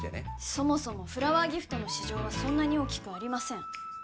そもそもフラワーギフトの市場はそんなに大きくありません